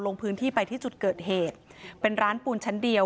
ลงพื้นที่ไปที่จุดเกิดเหตุเป็นร้านปูนชั้นเดียว